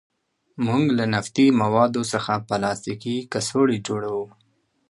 موږ له نفتي موادو څخه پلاستیکي کڅوړې جوړوو.